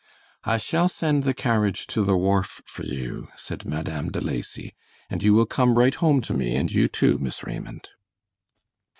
"I shall send the carriage to the wharf for you," said Madame De Lacy, "and you will come right home to me, and you, too, Miss Raymond."